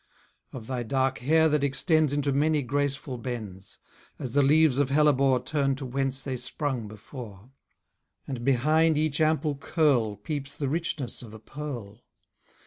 Of thy dark hair that extends Into many graceful bends: As the leaves of Hellebore Turn to whence they sprung before. And behind each ample curl Peeps the richness of a pearl.